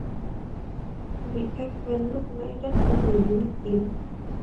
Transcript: Vị Khách quen lúc nãy rất tâm lý lên tiếng